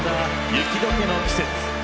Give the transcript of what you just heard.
雪どけの季節。